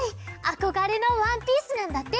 あこがれのワンピースなんだって！